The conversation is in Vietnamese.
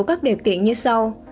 các điều kiện như sau